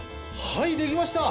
はいできました！